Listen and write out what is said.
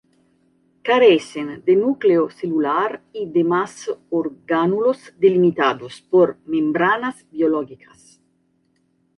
Carecen de núcleo celular y demás orgánulos delimitados por membranas biológicas.